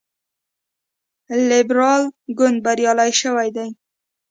لیبرال ګوند بریالی شوی دی.